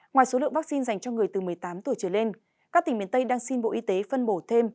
ngoài số lượng vaccine dành cho người từ một mươi tám tuổi trở lên các tỉnh miền tây đang xin bộ y tế phân bổ thêm